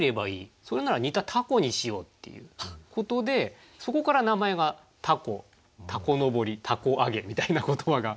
それなら似た「タコ」にしようっていうことでそこから名前が凧凧のぼり凧揚げみたいな言葉が生まれた。